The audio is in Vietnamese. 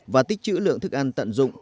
và tích trữ lượng thức ăn tận dụng